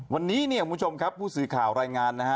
วันนี้เนี่ยคุณผู้ชมครับผู้สื่อข่าวรายงานนะฮะ